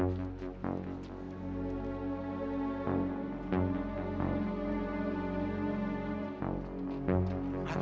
aku mau pergi